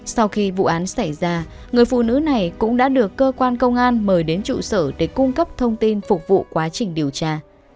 sau khi vụ án xảy ra người phụ nữ này cũng đã được cơ quan công an mời đến trụ sở để cung cấp thông tin phục vụ quá trình điều tra